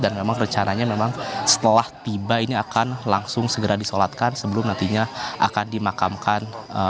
dan memang rencananya memang setelah tiba ini akan langsung segera disolatkan sebelum nantinya akan dimakamkan